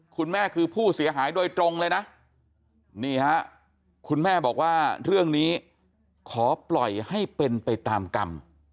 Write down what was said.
คุณแม่คือผู้เสียหายโดยตรงเลยนะนี่ฮะคุณแม่บอกว่าเรื่องนี้ขอปล่อยให้เป็นไปตามกรรม